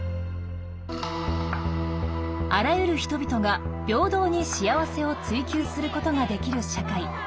あらゆる人々が平等に幸せを追求することができる社会。